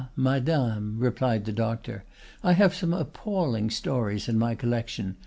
madame," replied the doctor, "I have some appalling stories in my collection.